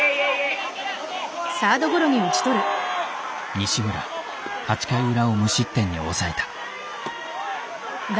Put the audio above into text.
西村８回裏を無失点に抑えた。